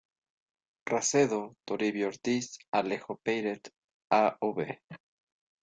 Racedo, Toribio Ortíz, Alejo Peyret, Av.